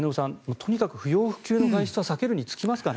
とにかく不要不急の外出は避けるに尽きますかね。